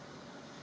selesai men mucha